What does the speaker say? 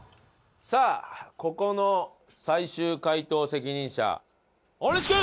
さあここの最終解答責任者大西君！